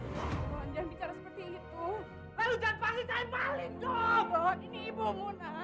jangan bicara seperti itu lalu jangan panggil saya paling ini ibu mona